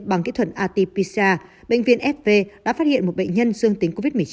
bằng kỹ thuật atpsa bệnh viện fv đã phát hiện một bệnh nhân dương tính covid một mươi chín